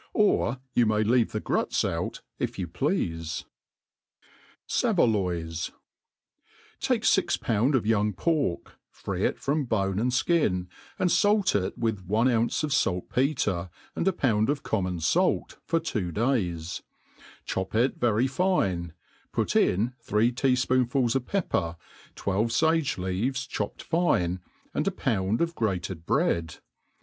Or you may leave the grucs out if you pleafe* Savoldys* TAKE fix pound of young pork, free' it from bone and Ikin, and fait it with one ounce of Alt*petre, and a pound of comnion fait, for two days ; chop tt very fine, put in three tea fpoorifuls of pepper, twelve fage leavei cbopt fine, and a pound of grated bread.